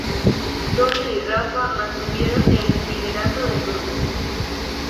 Toño y Rafa mantuvieron el liderato del grupo.